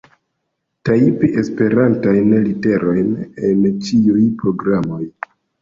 Tajpi Esperantajn literojn en ĉiuj programoj.